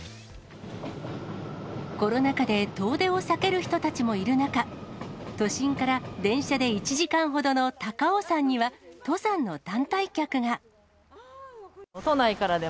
コロナ禍で遠出を避ける人たちもいる中、都心から電車で１時間ほどの高尾山には、登山の団体客が。